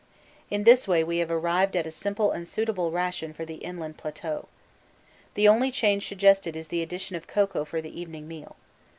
In this way we have arrived at a simple and suitable ration for the inland plateau. The only change suggested is the addition of cocoa for the evening meal.